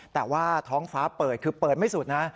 แต่ว่าท้องฟ้าเปิดคือเปิดไม่สุดนะ